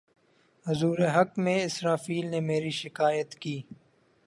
حضور حق میں اسرافیل نے میری شکایت کی